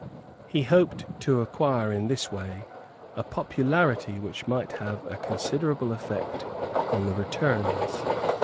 He hoped to acquire in this way a popularity which might have a considerable effect on the returns.